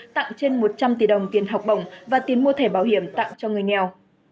tặng trên một trăm linh tỷ đồng tiền học bổng và tiền mua thẻ bảo hiểm tặng cho người nghèo